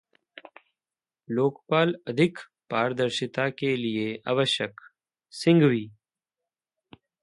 लोकपाल अधिक पारदर्शिता के लिए आवश्यक: सिंघवी